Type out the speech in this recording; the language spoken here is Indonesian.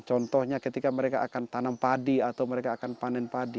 contohnya ketika mereka akan tanam padi atau mereka akan panen padi